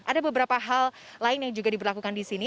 ada beberapa hal lain yang juga diberlakukan di sini